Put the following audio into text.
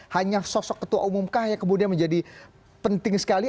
hanya sosok ketua umum kah yang kemudian menjadi penting sekali